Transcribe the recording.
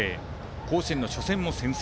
甲子園の初戦も先制。